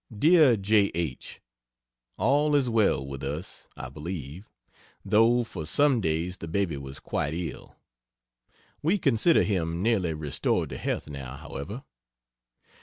DEAR J. H., All is well with us, I believe though for some days the baby was quite ill. We consider him nearly restored to health now, however.